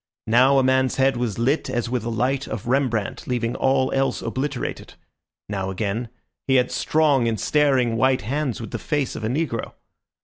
Now a man's head was lit as with a light of Rembrandt, leaving all else obliterated; now again he had strong and staring white hands with the face of a negro.